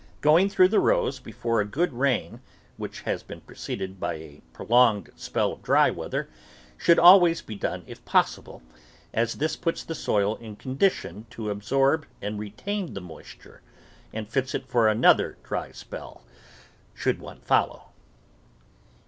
Going through the rows before a good rain, which has been preceded by a prolonged spell of dry weather, should always be done if possible, as this puts the soil in condition to absorb and re tain the moisture and fits it for another dry spell, should one follow.